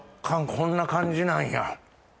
こんな感じなんや。